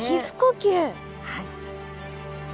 はい。